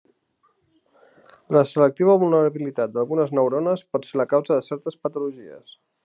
La selectiva vulnerabilitat d'algunes neurones pot ser la causa de certes patologies.